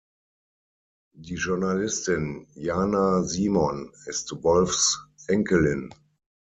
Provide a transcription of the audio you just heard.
Die Journalistin Jana Simon ist Wolfs Enkelin.